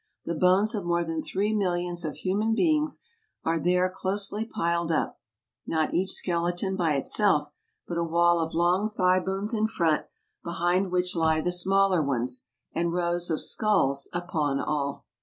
The bones of more than three millions of human beings are there closely piled up; not each skeleton by it¬ self, but a wall of long thigh bones in front, be¬ hind which lie the smaller ones, and rows of sculls upon all.